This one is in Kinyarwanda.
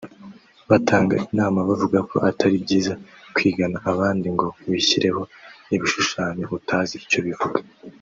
Batanga inama bavuga ko atari byiza kwigana abandi ngo wishyireho ibishushanyo utazi icyo bivuga